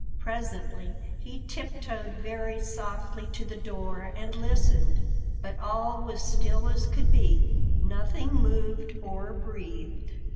Presently he tiptoed very softly to the door and listened. But all was still as could be—nothing moved or breathed.